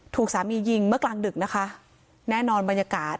ถูกสามียิงเมื่อกลางดึกนะคะแน่นอนบรรยากาศ